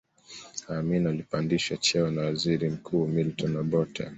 amin alipandishwa cheo na waziri mkuu milton obote